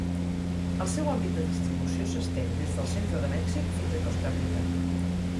El seu àmbit de distribució s'estén des del centre de Mèxic fins a Costa Rica.